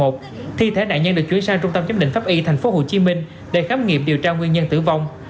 thi thể nạn nhân được chuyển sang trung tâm giám định pháp y tp hcm để khám nghiệm điều tra nguyên nhân tử vong